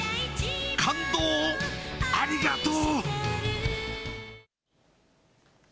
感動をありがとう！